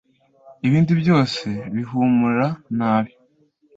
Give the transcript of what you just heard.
ibindi byose bihumura nabi